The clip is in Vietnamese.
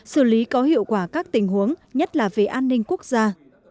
xử lý có hiệu quả các tình huống nhất là về an ninh quốc gia